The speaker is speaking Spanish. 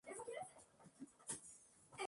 No habían sucesiones pacíficas sin oposición.